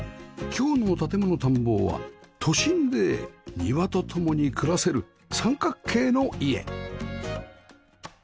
今日の『建もの探訪』は都心で庭と共に暮らせる三角形の家